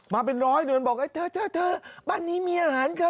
มาเป็นร้อยมันบอกเธอบ้านนี้มีอาหาร